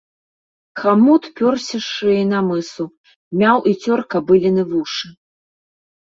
Хамут пёрся з шыі на мысу, мяў і цёр кабыліны вушы.